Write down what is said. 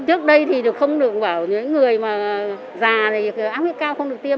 trước đây thì không được bảo những người mà già thì ác nguyên cao không được tiêm